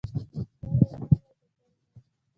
خپله ومني، د بل نه.